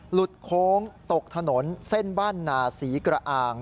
หลุดโค้งตกถนนเส้นบ้านนาศรีกระอาง